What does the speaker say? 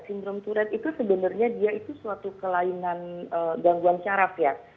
sindrom tourette itu sebenarnya dia itu suatu kelainan gangguan saraf ya